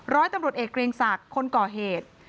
ร้อยตำรวจเอกเกรียงศักดิ์คนก่อเหตุ